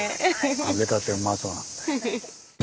揚げたてうまそうなんだよ。